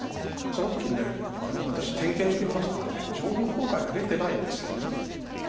その時にね私点検してみましたらね情報公開ができてないんですよ。